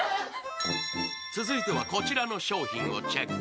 続いてはこちらの商品をチェック。